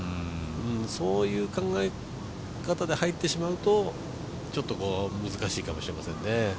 そういう考え方で入ってしまうとちょっと難しいかもしれませんね。